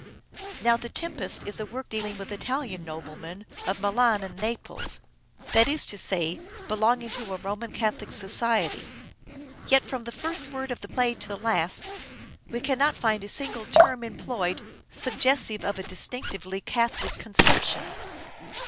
Now " The Tempest " is a work dealing with Italian noblemen of Milan and Naples, that is to say, belonging to a Roman Catholic society, yet from the first word of the play to the last we cannot find a single term employed suggestive of a distinctively Catholic conception.